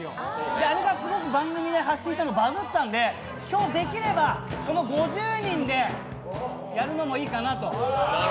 あれがすごく番組で発信したのバズったんで今日、できればこの５０人でやるのもいいかなと。